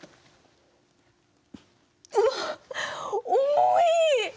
うわっ重い！